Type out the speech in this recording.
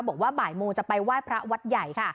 บอกว่าบ่ายโมงจะไปไหว้พระวัดใหญ่ค่ะ